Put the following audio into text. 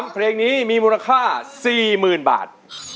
เพลงนี้มีมูลค่า๔๐๐๐บาท